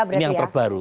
ini yang terbaru